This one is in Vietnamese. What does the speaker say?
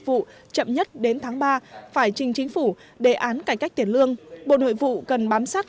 vụ chậm nhất đến tháng ba phải trình chính phủ đề án cải cách tiền lương bộ nội vụ cần bám sát